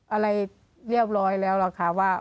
อะไรเรียบร้อยแล้วล่ะค่ะว่า